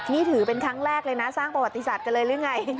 นี่ถือเป็นครั้งแรกเลยนะสร้างประวัติศาสตร์กันเลยหรือไง